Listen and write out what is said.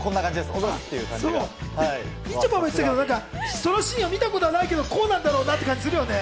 おざっすっみちょぱも言ってたけど、そのシーンを見たことないけど、こうだろうなって感じがするね。